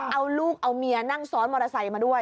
เอาลูกเอาเมียนั่งซ้อนมอเตอร์ไซค์มาด้วย